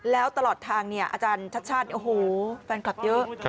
แล้วตลอดทางอาจารย์ชัดโอ้โฮแฟนคลับเยอะ